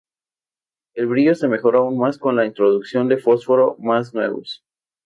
El brillo se mejoró aún más con la introducción de fósforos más nuevos.